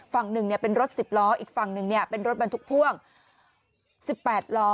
ฝั่งหนึ่งเป็นรถ๑๐ล้ออีกฝั่งหนึ่งเป็นรถบรรทุกพ่วง๑๘ล้อ